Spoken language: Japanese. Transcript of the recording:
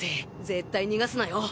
絶対逃がすなよ。